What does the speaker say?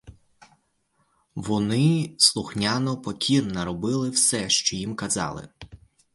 Вони слухняно, покірно робили все, що їм казали.